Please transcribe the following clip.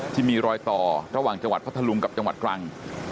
ที่มีรอยต่อระหว่างจังหวัดพัทธลุงกับจังหวัดตรัง